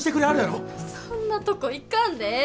そんなとこ行かんでええ！